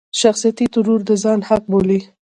شخصيتي ترور د ځان حق بولي.